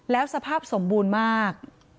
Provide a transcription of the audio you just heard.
แล้วสภาพสมบูรณ์มาก